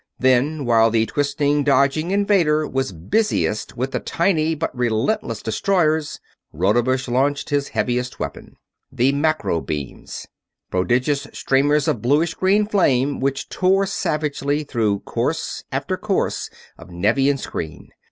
Then while the twisting, dodging invader was busiest with the tiny but relentless destroyers, Rodebush launched his heaviest weapon. The macro beams! Prodigious streamers of bluish green flame which tore savagely through course after course of Nevian screen!